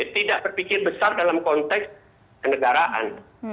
tidak berpikir besar dalam konteks kenegaraan